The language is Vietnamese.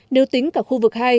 nếu tính cả khu vực hai